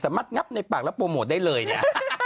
งับในปากแล้วโปรโมทได้เลยเนี่ย